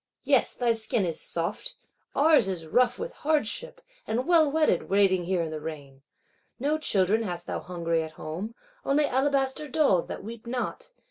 Yes, thy skin is soft: ours is rough with hardship; and well wetted, waiting here in the rain. No children hast thou hungry at home; only alabaster dolls, that weep not!